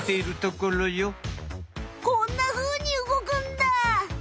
こんなふうに動くんだ！